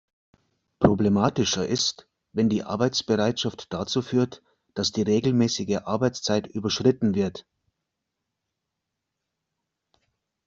Problematischer ist, wenn die Arbeitsbereitschaft dazu führt, dass die regelmäßige Arbeitszeit überschritten wird.